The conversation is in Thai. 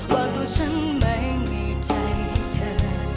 ว่าตัวฉันไม่มีใจให้เธอ